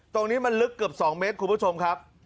ตรงนี้มันลึกเกือบ๒เมตรคุณผู้ชมครับ